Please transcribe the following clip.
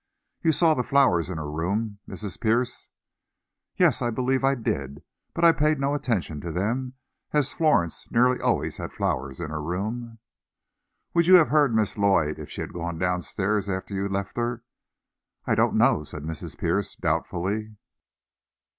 You saw the flowers in her room, Mrs. Pierce?" "Yes, I believe I did. But I paid no attention to them, as Florence nearly always has flowers in her room." "Would you have heard Miss Lloyd if she had gone down stairs after you left her?" "I don't know," said Mrs. Pierce, doubtfully.